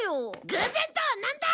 偶然とはなんだ！